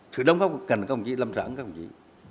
sự đồng pháp cần công trị lâm sản không có gì